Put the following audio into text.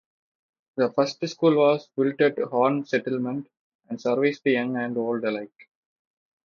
The first school was built at Horne Settlement, and serviced young and old alike.